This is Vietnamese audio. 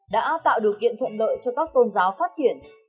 đã tạo điều kiện thuận lợi cho các tôn giáo phát triển